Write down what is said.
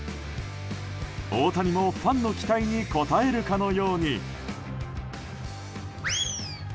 大谷もファンの期待に応えるかのように。